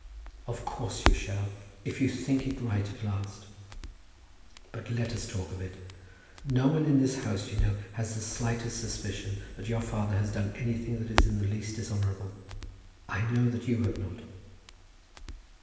"Of course you shall, if you think it right at last; but let us talk of it. No one in this house, you know, has the slightest suspicion that your father has done anything that is in the least dishonourable." "I know that you have not."